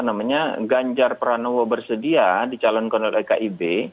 kalau misalnya ganjar pranowo bersedia di calon kondol dari kib